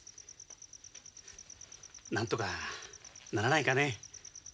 なんとかならないかね？